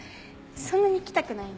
そんなに来たくないの？